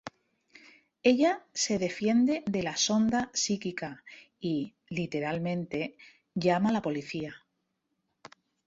Ella se defiende de la sonda psíquica y, literalmente, llama a la policía.